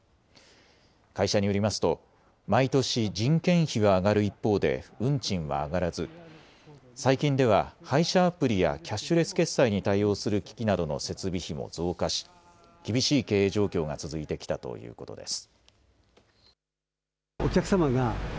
会社によりますと毎年人件費は上がる一方で運賃は上がらず最近では配車アプリやキャッシュレス決済に対応する機器などの設備費も増加し厳しい経営状況が続いてきたということです。